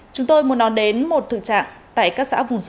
chúng tôi muốn nói đến một thực trạng tại các xã vùng sâu